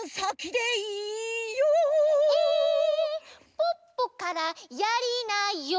ポッポからやりなＹｏ」